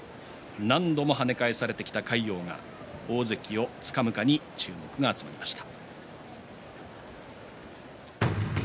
何度も跳ね返されてきた魁皇が大関をつかむかに注目が集まりました。。